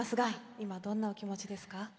今、どんなお気持ちですか？